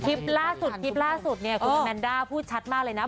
ทริปล่าสสุดเนี่ยคุณอคเมนด้าพูดชัดมากเลยนะ